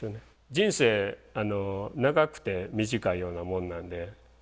人生長くて短いようなもんなんで。